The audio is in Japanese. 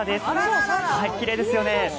きれいですよね。